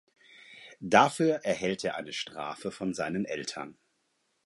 Dafür erhält er eine Strafe von seinen Eltern.